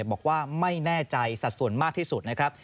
บอกว่าไม่แน่ใจสัดส่วนมากที่สุดนะครับ